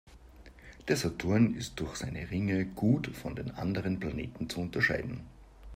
Der Saturn ist durch seine Ringe gut von den anderen Planeten zu unterscheiden.